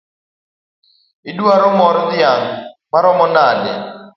Idwaro mor dhiang’ maromo nade?